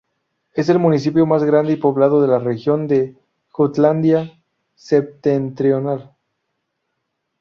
Es el municipio más grande y poblado de la región de Jutlandia Septentrional.